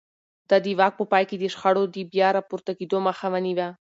ده د واک په پای کې د شخړو د بيا راپورته کېدو مخه ونيوه.